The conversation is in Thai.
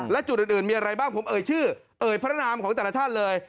และจุดอื่นมีอะไรบ้างผมเอ่ยชื่อเอ่ยพระนามของแต่ละท่านเลย